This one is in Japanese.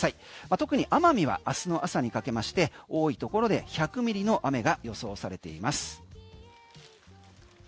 特に奄美は明日の朝にかけまして多いところで１００ミリの雨が予想されています。